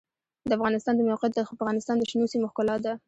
د افغانستان د موقعیت د افغانستان د شنو سیمو ښکلا ده.